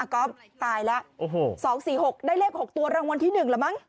ก๊อบตายละ๒๔๖ได้เลข๖ตัวรางวนที่๑หรอมั้ง